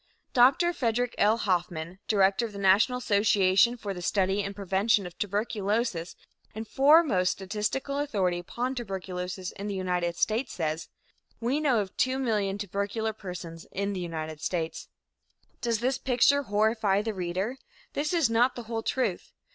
Dr. Frederick L. Hoffman, director of the National Association for the Study and Prevention of Tuberculosis and foremost statistical authority upon tuberculosis in the United States, says: "We know of 2,000,000 tubercular persons in the United States." Does this picture horrify the reader? This is not the whole truth.